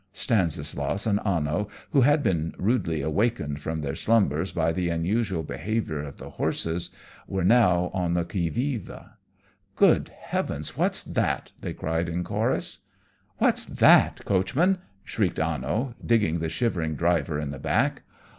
Stanislaus and Anno, who had been rudely awakened from their slumbers by the unusual behaviour of the horses, were now on the qui vive. "Good heavens! What's that?" they cried in chorus. "What's that, coachman?" shrieked Anno, digging the shivering driver in the back.